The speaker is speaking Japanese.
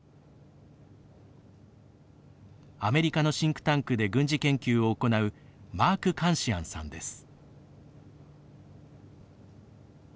アメリカのシンクタンクで軍事研究を行うマーク・カンシアンさんです。